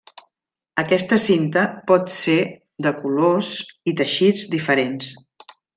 Aquesta cinta post ser de colors i teixits diferents.